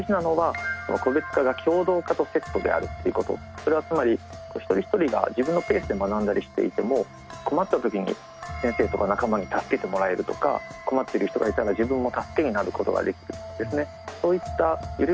それはつまり一人一人が自分のペースで学んだりしていても困った時に先生とか仲間に助けてもらえるとか困ってる人がいたら自分も助けになることができるとかですね